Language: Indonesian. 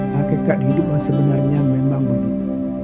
hakikat hidup wah sebenarnya memang begitu